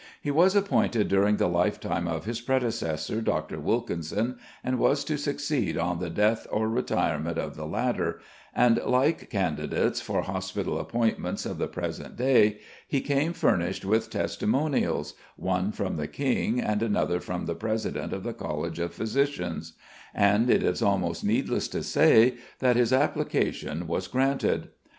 He was appointed during the lifetime of his predecessor, Dr. Wilkinson, and was to succeed on the death or retirement of the latter, and, like candidates for hospital appointments of the present day, he came furnished with testimonials, one from the King, and another from the President of the College of Physicians; and it is almost needless to say that his application was granted.